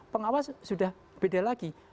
pengawas sudah beda lagi